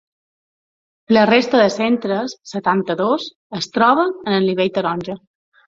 La resta de centres, setanta-dos, es troben en el nivell taronja.